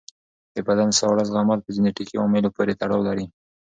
د بدن ساړه زغمل په جنیټیکي عواملو پورې تړاو لري.